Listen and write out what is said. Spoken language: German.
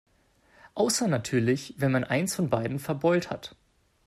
Außer natürlich, wenn man eins von beiden verbeult hat.